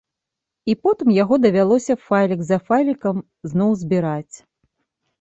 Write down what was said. І потым яго давялося файлік за файлікам зноў збіраць.